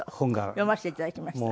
読ませていただきました。